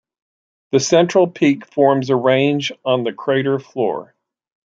The central peak forms a range on the crater floor.